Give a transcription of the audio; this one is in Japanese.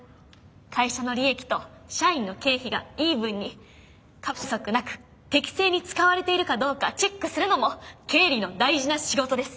会社の利益と社員の経費がイーブンに過不足なく適正に使われているかどうかチェックするのも経理の大事な仕事です。